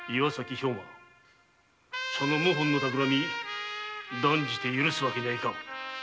その謀反のたくらみ断じて許すわけにはいかん